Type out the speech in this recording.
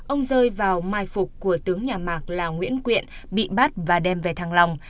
ông rơi vào mai phục của tướng nhà mạc là nguyễn quyện bị bắt và đem về thăng lòng